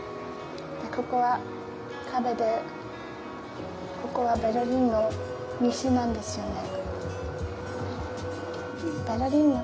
ここは壁でここはベルリンの西なんですよね。